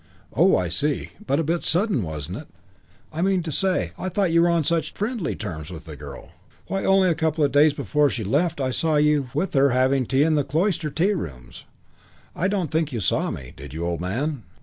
"Oh, I see. But a bit sudden, wasn't it? I mean to say, I thought you were on such friendly terms with the girl. Why, only a couple of days before she left I saw you with her having tea in the Cloister tea rooms. I don't think you saw me, did you, old man?"